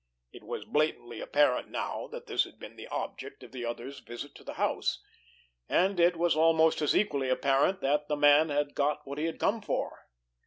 It was blatantly apparent now that this had been the object of the other's visit to the house, and it was almost as equally apparent that the man had got what he had come for.